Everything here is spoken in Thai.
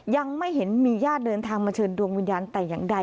ยังไม่เห็นมีญาติเดินทางมาเชิญดวงวิญญาณแต่อย่างใด